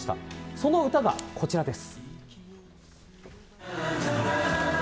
その歌がこちらです。